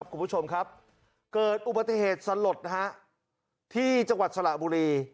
คุณผู้ชมครับเกิดอุบัติเหตุสลดที่จังหวัดสระบุรี